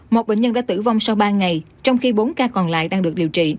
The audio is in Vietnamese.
một bệnh nhân đã tử vong sau ba ngày trong khi bốn ca còn lại đang được điều trị